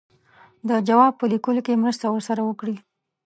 د جواب په لیکلو کې مرسته ورسره وکړي.